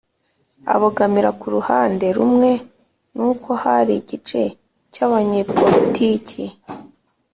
abogamira ku ruhande rumwe ni uko hari igice cy'abanyepolitiki